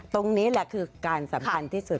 ตรงนี้แหละคือการสำคัญที่สุด